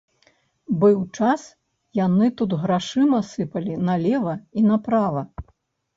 Быў час яны тут грашыма сыпалі налева і направа.